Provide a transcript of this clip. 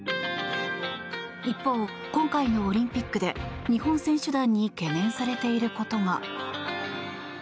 一方、今回のオリンピックで日本選手団に懸念されていることが。